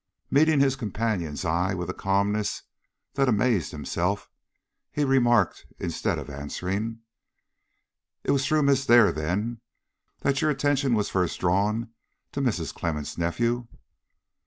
Meeting his companion's eye with a calmness that amazed himself, he remarked, instead of answering: "It was through Miss Dare, then, that your attention was first drawn to Mrs. Clemmens' nephew?"